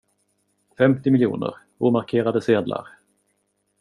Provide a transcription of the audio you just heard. Femtio miljoner, omarkerade sedlar.